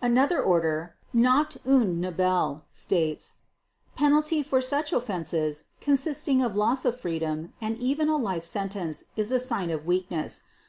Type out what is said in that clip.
Another order, "Nacht und Nebel", states: "Penalty for such offenses, consisting of loss of freedom and even a life sentence is a sign of weakness.